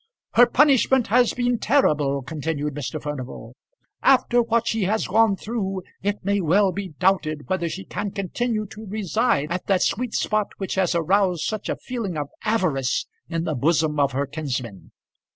"Her punishment has been terrible," continued Mr. Furnival. "After what she has gone through, it may well be doubted whether she can continue to reside at that sweet spot which has aroused such a feeling of avarice in the bosom of her kinsman.